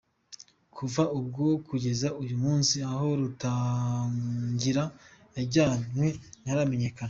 Kuva ubwo kugeza uyu munsi, aho Rutagungira yajyanwe ntiharamenyekana.